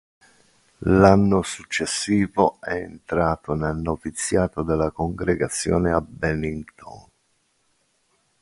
L'anno successivo è entrato nel noviziato della congregazione a Bennington.